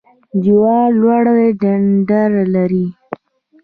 جوار لوړ ډنډر لري